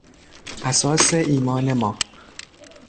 اساس ایمان ما